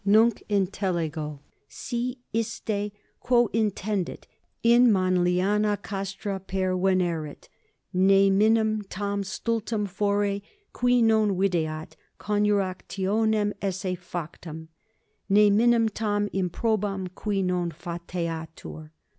Nunc intellego, si iste, quo intendit, in Manliana castra pervenerit, neminem tam stultum fore, qui non videat coniurationem esse factam, neminem tam improbum, qui non fateatur.